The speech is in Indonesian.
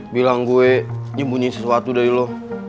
bilang gue nyembunyi sesuatu dari lo